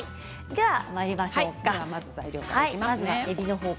ではまいりましょう。